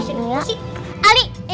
masa kamu gak mau ngasih duit